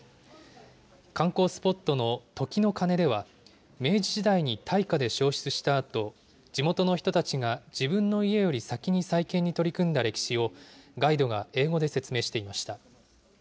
観光スポットの時の鐘では、明治時代に大火で焼失したあと、地元の人たちが自分の家より先に再建に取り組んだ歴史を、ガイドが英語で説明していました。